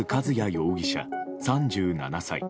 容疑者、３７歳。